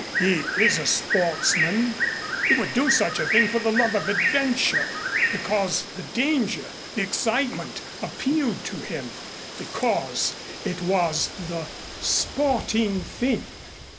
He is a sportsman. He would do such a thing for the love of adventure, because the danger, the excitement, appealed to him because it was the 'sporting thing.